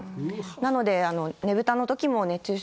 なのでねぶたのときも熱中症。